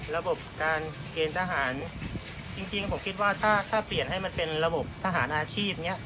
ระบบการเกณฑ์ทหารจริงผมคิดว่าถ้าเปลี่ยนให้มันเป็นระบบทหารอาชีพอย่างนี้